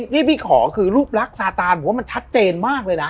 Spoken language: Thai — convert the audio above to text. ที่พี่ขอคือรูปลักษณ์ซาตานผมว่ามันชัดเจนมากเลยนะ